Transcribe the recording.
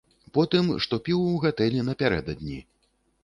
Потым, што піў ў гатэлі напярэдадні.